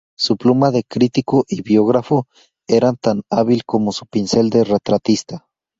Su pluma de crítico y biógrafo era tan hábil como su pincel de retratista.